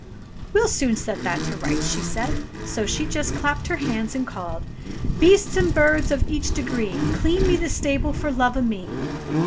"We'll soon set that to rights," she said. So she just clapped her hands and called : "Beasts and birds o' each degree, Clean me this stable for love o' me.'